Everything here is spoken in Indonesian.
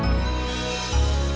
ada kaitannya dengan bu lydia